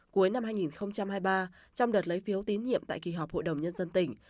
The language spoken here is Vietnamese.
cuối năm hai nghìn hai mươi ba trong đợt lấy phiếu tín nhiệm tại kỳ họp hội đồng nhân dân tỉnh